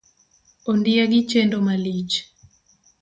Ondiegi chendo malich